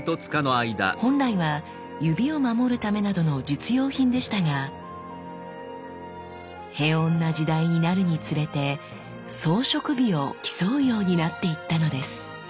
本来は指を守るためなどの実用品でしたが平穏な時代になるにつれて装飾美を競うようになっていったのです。